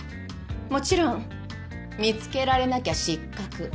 もちろん見つけられなきゃ失格。